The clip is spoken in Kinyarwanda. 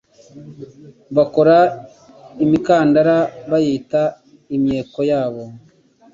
Bakora imikandara bayita imyeko yabo